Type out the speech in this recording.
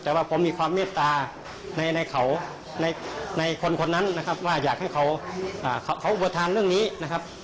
แต่ว่าผมมีความเมตตาในเขาในคนคนนั้นนะครับว่าอยากให้เขาอุปทานเรื่องนี้นะครับ